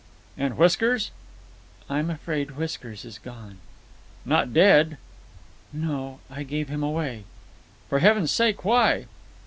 "And Whiskers?" "I'm afraid Whiskers is gone." "Not dead?" "No. I gave him away." "For Heaven's sake! Why?"